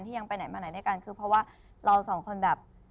ยังไปไหนมาไหนด้วยกันคือเพราะว่าเราสองคนแบบ